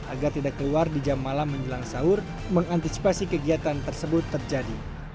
agar tidak keluar di jam malam menjelang sahur mengantisipasi kegiatan tersebut terjadi